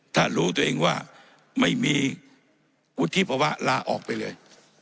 ถ้ารู้ตัวเองว่าไม่มีวุฒิภาวะลาออกไปเลย